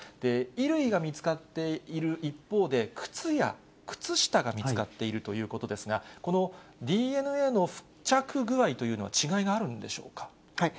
衣類が見つかっている一方で、靴や靴下が見つかっているということですが、このＤＮＡの付着具合というのは、違いがあるんでしょうか。